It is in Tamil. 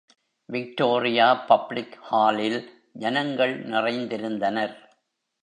விக்டோரியா பப்ளிக் ஹாலில் ஜனங்கள் நிறைந்திருந்தனர்.